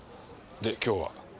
で今日は？